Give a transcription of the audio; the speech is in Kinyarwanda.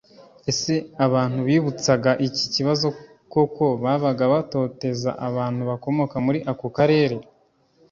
ese abantu bibutsaga iki kibazo koko babaga batoteza abantu bakomoka muri ako karere?